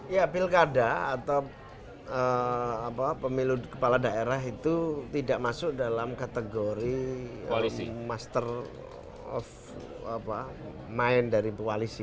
ya pilkada atau pemilu kepala daerah itu tidak masuk dalam kategori master of mind dari koalisi